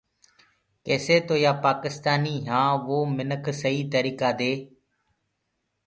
ڪيسي تو يآ پآڪستآني يهآنٚ وو منک سئيٚ تريٚڪآ دي